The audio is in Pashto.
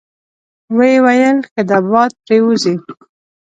ویې ویل: ښه ده، باد پرې وځي.